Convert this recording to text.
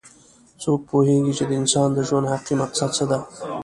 څوک پوهیږي چې د انسان د ژوند حقیقي مقصد څه ده